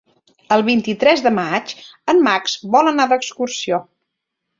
El vint-i-tres de maig en Max vol anar d'excursió.